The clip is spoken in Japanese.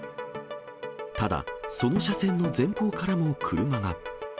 ただ、その車線の前方からも車が。